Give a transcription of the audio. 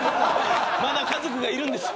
「まだ家族がいるんですよ」